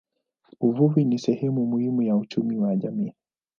Uvuvi ni sehemu muhimu ya uchumi wa mji.